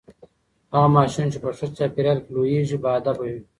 هغه ماشوم چې په ښه چاپیریال کې لوییږي باادبه وي.